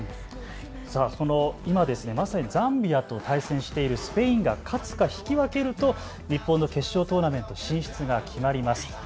この今、まさに、ザンビアと対戦しているスペインが勝つか引き分けると日本の決勝トーナメント進出が決まります。